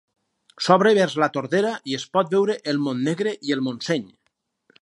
S'obre vers la Tordera i es pot veure el Montnegre i el Montseny.